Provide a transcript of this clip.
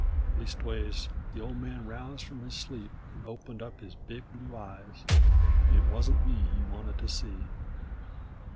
Leastwise the Old Man roused from his sleep 'nd opened up his big blue eyes. It wuzn't me he wanted to see.